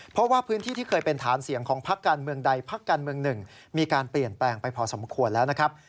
เพราะว่าพื้นที่ที่เคยเป็นฐานเสียงของพักการเมืองใดพักการเมืองหนึ่งมีการเปลี่ยนแปลงไปพอสมควรแล้วนะครับ